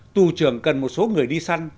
tù trưởng cần một số người đi săn